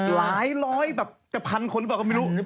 หลายร้อยแบบจะพันคนหรือเปล่าก็ไม่รู้